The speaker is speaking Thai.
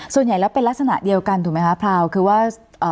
ส่วนใหญ่แล้วเป็นลักษณะเดียวกันถูกไหมคะพราวคือว่า